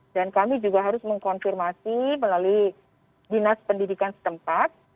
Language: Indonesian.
dan kami juga harus mengkonfirmasi melalui dinas pendidikan setempat